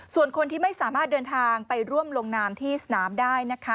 ส่วนคนที่ไม่สามารถเดินทางไปร่วมลงนามที่สนามได้นะคะ